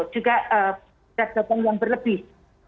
juga kegiatan yang berlebih